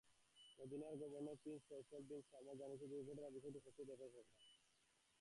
মদিনার governor prince Faisal bin Salman জানিয়েছেন, দুর্ঘটনার বিষয়টি খতিয়ে দেখবে সরকার।